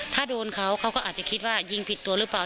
ถ้าโดนเขาเขาก็อาจจะคิดว่ายิงผิดตัวหรือเปล่า